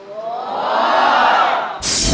โรหะ